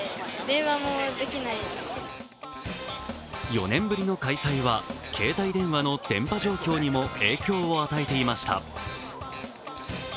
４年ぶりの開催は携帯電話の電波状況にも影響を与えていました。